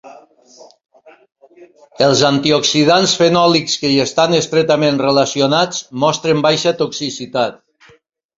Els antioxidants fenòlics que hi estan estretament relacionats mostren baixa toxicitat.